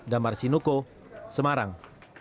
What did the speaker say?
damar sinuko semarang